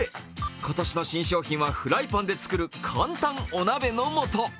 今年の新商品はフライパンで作る簡単お鍋のもと。